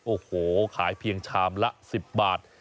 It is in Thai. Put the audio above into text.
โอ้โหขายเพียงชามละ๑๐บาท